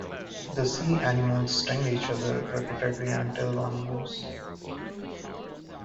The sea anemones sting each other repeatedly until one moves.